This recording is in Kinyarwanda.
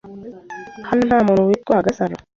Hano nta muntu witwa Gasaro.